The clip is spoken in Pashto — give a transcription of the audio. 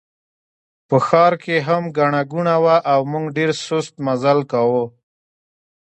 په ښار کې هم ګڼه ګوڼه وه او موږ ډېر سست مزل کاوه.